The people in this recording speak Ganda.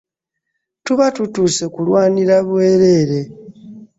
Tuba tutuuse kulwanira bwereere.